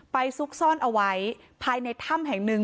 ซุกซ่อนเอาไว้ภายในถ้ำแห่งหนึ่ง